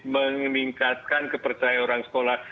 meningkatkan kepercayaan orang sekolah